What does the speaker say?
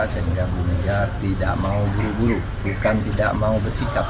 sehingga bu mega tidak mau buru buru bukan tidak mau bersikap